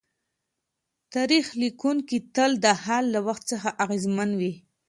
تاریخ لیکونکی تل د حال له وخت څخه اغېزمن وي.